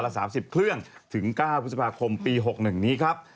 ๓๐เครื่องถึง๙พฤษภาคมปี๖๑นี้ครับ